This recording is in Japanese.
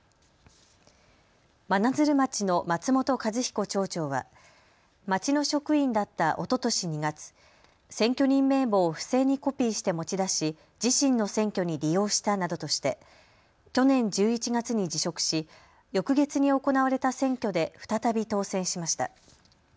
真鶴町の松本一彦町長は町の職員だったおととし２月、選挙人名簿を不正にコピーして持ち出し自身の選挙に利用したなどとして去年１１月に辞職し翌月に行われた選挙で再び当選しました。